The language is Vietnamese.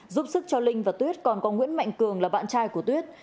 giúp sức cho linh và tuyết còn có nguyễn mạnh cường là bạn trai của tuyết